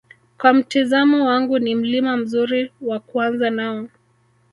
kwa mtizamo wangu ni Mlima mzuri wa kuanza nao